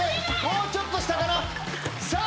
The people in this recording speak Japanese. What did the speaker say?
もうちょっと下かな。